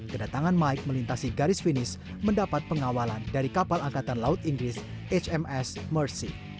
kedatangan mike melintasi garis finish mendapat pengawalan dari kapal angkatan laut inggris hms mercy